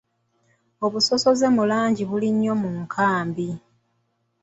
Obusosoze mu langi bungi nnyo mu nkambi.